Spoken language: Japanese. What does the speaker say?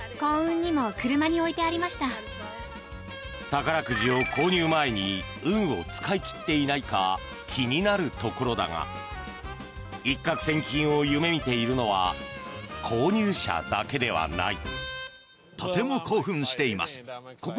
宝くじを購入前に運を使い切っていないか気になるところだが一獲千金を夢見ているのは購入者だけではない。